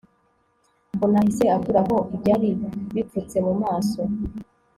mbona ahise akuraho ibyari bipfutse mu maso